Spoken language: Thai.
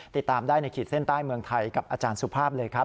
ติดตามได้ในขีดเส้นใต้เมืองไทยกับอาจารย์สุภาพเลยครับ